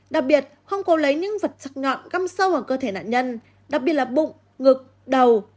đặc biệt không cố lấy những vật ngọn găm sâu vào cơ thể nạn nhân đặc biệt là bụng ngực đầu